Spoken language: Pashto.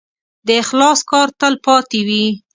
د اخلاص کار تل پاتې وي.